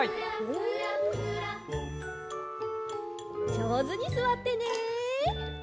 じょうずにすわってね！